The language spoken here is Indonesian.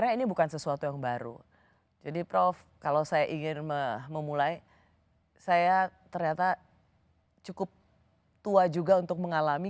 ini bukan sesuatu yang baru jadi prof kalau saya ingin memulai saya ternyata cukup tua juga untuk mengalami